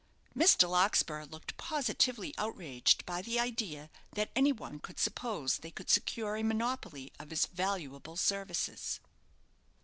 Mr. Larkspur looked positively outraged by the idea that any one could suppose they could secure a monopoly of his valuable services.